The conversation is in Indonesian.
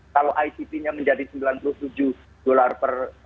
kalau icb nya menjadi sembilan puluh tujuh dollar per